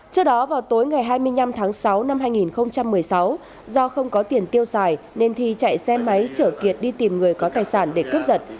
trước đó vào tối ngày hai mươi năm tháng sáu năm hai nghìn một mươi sáu do không có tiền tiêu xài nên thi chạy xe máy chở kiệt đi tìm người có tài sản để cướp giật